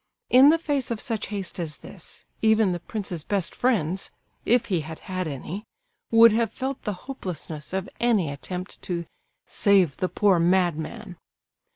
In the face of such haste as this, even the prince's best friends (if he had had any) would have felt the hopelessness of any attempt to save "the poor madman."